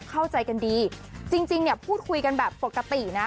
เข้าใจกันดีจริงเนี่ยพูดคุยกันแบบปกตินะ